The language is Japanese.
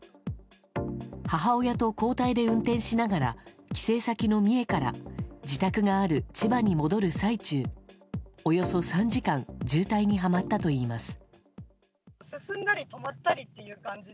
母親と交代で運転しながら帰省先の三重から自宅がある千葉に戻る最中およそ３時間渋滞にはまったといいます。